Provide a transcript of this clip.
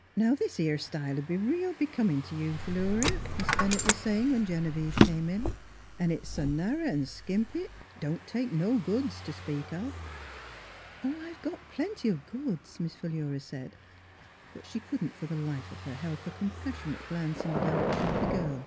" Now this 'ere style 'd be real becomin' Mzss Fhilura's Wedding Gown t' you, Philura," Miss Bennett was say ing, when Genevieve came in. " An' it's s' narrer an' skimpy it don't take no goods t' speak of." " Oh, I've got plenty of goods," Miss Philura said, but she couldn't for the life of her help a compassionate glance in the direction of the girl.